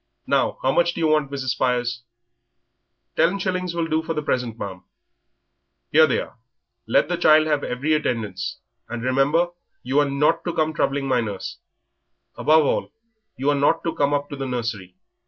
Now, how much do you want, Mrs. Spires?" "Ten shillings will do for the present, ma'am." "Here they are; let the child have every attendance, and remember you are not to come troubling my nurse. Above all, you are not to come up to the nursery.